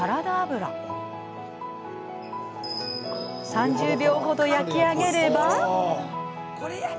３０秒ほど焼き上げれば。